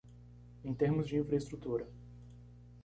Em termos de infraestrutura